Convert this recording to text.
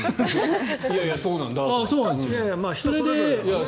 いやいやそうなんだと思って。